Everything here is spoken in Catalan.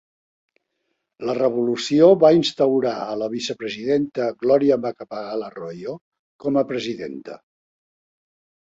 La revolució va instaurar a la vicepresidenta Gloria Macapagal-Arroyo com a presidenta.